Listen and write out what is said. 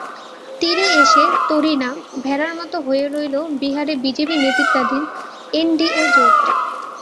তীরে এসে তরী না-ভেড়ার মতো হয়ে রইল বিহারে বিজেপি নেতৃত্বাধীন এনডিএ জোট।